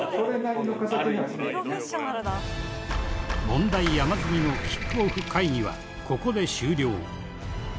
問題山積みのキックオフ会議はここで終了。